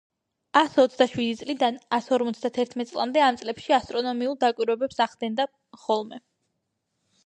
ასს ოცდაშვიდი წლიდან ასს ორმოცდა თერთმეტ წლამდე ამ წლებში ასტრონომიულ დაკვირვებებს ახდენდა პტოლმე.